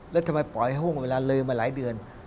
แล้วทำไมปล่อยห่วงเวลาเลยมาหลายเดือน